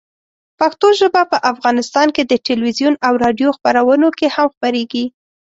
پښتو ژبه په افغانستان کې د تلویزیون او راډیو خپرونو کې هم خپرېږي.